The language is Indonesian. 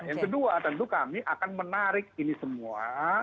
yang kedua tentu kami akan menarik ini semua